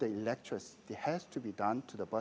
harus dilakukan di depok bus